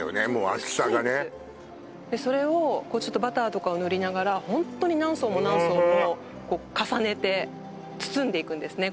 厚さがね薄いんですそれをバターとかを塗りながらホントに何層も何層も重ねて包んでいくんですね